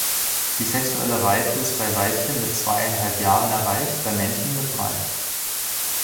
Die sexuelle Reife ist bei Weibchen mit zweieinhalb Jahren erreicht, bei Männchen mit drei.